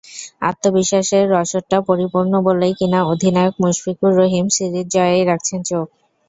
আত্মবিশ্বাসের রসদটা পরিপূর্ণ বলেই কিনা অধিনায়ক মুশফিকুর রহিম সিরিজ জয়েই রাখছেন চোখ।